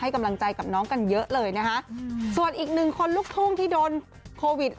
กันเยอะเลยนะฮะส่วนอีกหนึ่งคนลุกทุ่มที่โดนโควิด